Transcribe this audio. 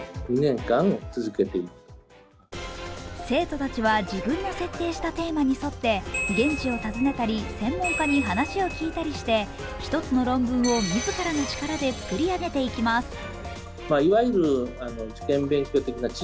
生徒たちは、自分の設定したテーマに沿って現地を訪ねたり専門家に話を聞いたりして一つの論文を自らの力で作り上げていきます。